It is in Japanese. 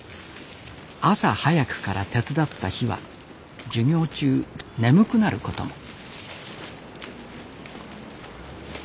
朝早くから手伝った日は授業中眠くなることも。